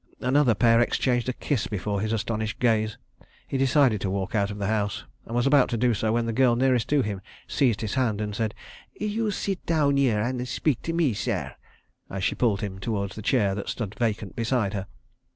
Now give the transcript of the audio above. Another pair exchanged a kiss before his astonished gaze. He decided to walk out of the house, and was about to do so when the girl nearest to him seized his hand and said: "You seet daown 'ere an' spik to me, sare," as she pulled him towards the chair that stood vacant beside her.